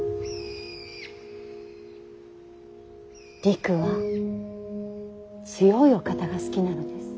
りくは強いお方が好きなのです。